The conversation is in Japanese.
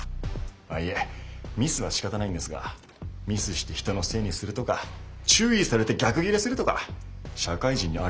いえミスはしかたないんですがミスして人のせいにするとか注意されて逆ギレするとか社会人にあるまじき態度が問題です。